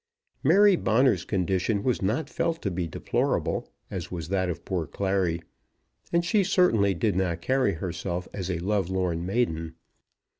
Mary Bonner's condition was not felt to be deplorable, as was that of poor Clary, and she certainly did not carry herself as a lovelorn maiden.